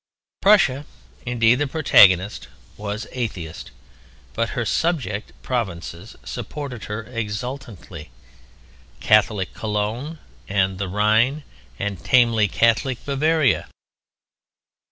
Prussia indeed, the protagonist, was atheist. But her subject provinces supported her exultantly, Catholic Cologne and the Rhine and tamely Catholic Bavaria.